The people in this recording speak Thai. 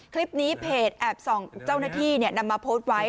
คลิปนี้เพจแอบส่องเจ้าหน้าที่นำมาโพสต์ไว้